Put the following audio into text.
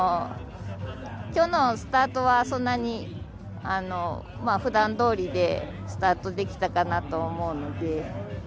今日のスタートは、普段どおりでスタートできたかなと思うので。